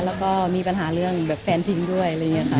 แล้วก็มีปัญหาเรื่องแฟนทิ้งด้วย